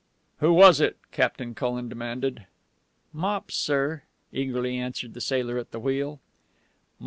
"Who was it!" Captain Cullen demanded. "Mops, sir," eagerly answered the sailor at the wheel.